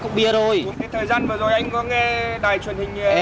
thời gian vừa rồi anh có nghe đài truyền hình như em